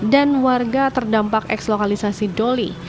dan warga terdampak x lokalisasi doli